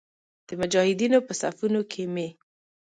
د مجاهدینو په صفونو کې مې.